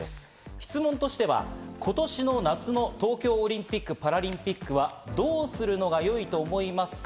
質問としては、今年の夏の東京オリンピック・パラリンピックはどうするのがよいと思いますか？